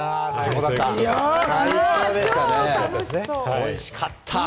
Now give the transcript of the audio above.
おいしかった！